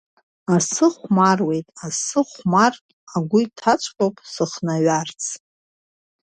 Асы хәмаруеит, асы хәмар, агә иҭаҵәҟьоуп сыхнаҩарц…